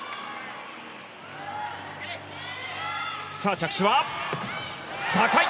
着地は高い！